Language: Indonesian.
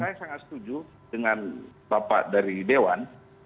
saya sangat setuju dengan bapak dari dewan